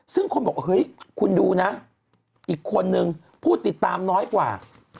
ซึ่งคนบอกว่าเฮ้ยคุณดูนะอีกคนนึงผู้ติดตามน้อยกว่า